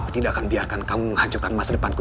kau tidak bisa menghancurkan masa depanku